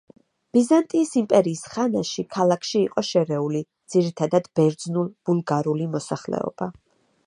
ბიზანტიის იმპერიის ხანაში ქალაქში იყო შერეული, ძირითადად, ბერძნულ–ბულგარული მოსახლეობა.